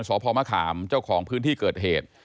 ภูมิกับการศพมะขามเจ้าของพื้นที่เกิดเหตุ